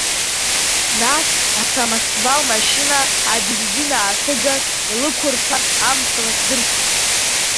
Нас асамосвал машьына абензин ааҭыган илықәырҭәан, амца лыхьдырсит.